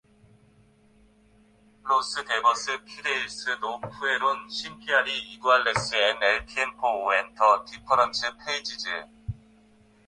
Los Deberes feudales no fueron siempre iguales en el tiempo o entre diferentes países.